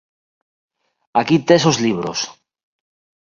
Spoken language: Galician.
_Aquí tes os libros.